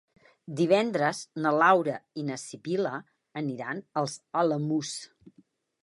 Divendres na Laura i na Sibil·la aniran als Alamús.